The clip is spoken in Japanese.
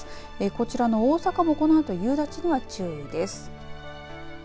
こちらの大阪もこのあと夕立には注意です。